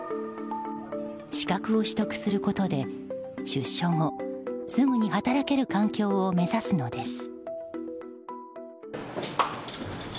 資格を取得することで出所後、すぐに働ける環境を目指すのです。